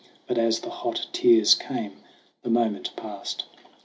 But as the hot tears came, the moment passed.